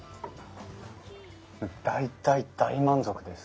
大大大満足です。